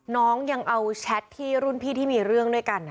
น้องยังเอาแชทที่รุ่นพี่ที่มีเรื่องด้วยกัน